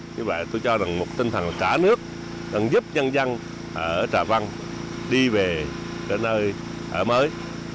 như vậy tôi cho rằng một tinh thần cả nước đang giúp dân dân ở trà văn đi về đến nơi ở mới